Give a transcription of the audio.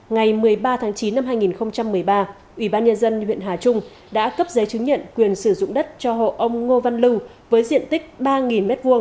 ngày một mươi ba tháng chín năm hai nghìn một mươi ba ủy ban nhân dân huyện hà trung đã cấp giấy chứng nhận quyền sử dụng đất cho hộ ông ngô văn lưu với diện tích ba m hai